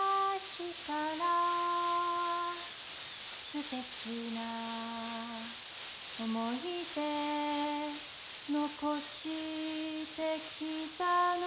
「すてきな思い出残してきたのに」